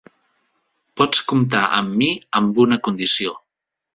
Pots comptar amb mi amb una condició.